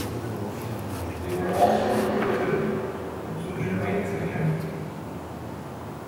They were also prohibited from sojourning in the county.